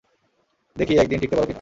দেখি এক দিন টিকতে পারো কি না।